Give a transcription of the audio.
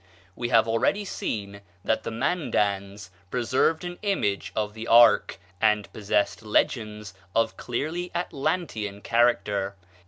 We have already seen that the Mandans preserved an image of the ark, and possessed legends of a clearly Atlantean character.